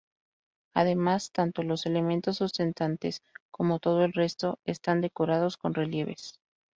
Además, tanto los elementos sustentantes como todo el resto, están decorados con relieves.